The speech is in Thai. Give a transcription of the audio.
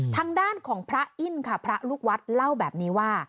ทางด้านของพระอิ้นค่ะพระลูกวัดเล่าแบบนี้ว่า